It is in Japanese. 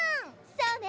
そうね。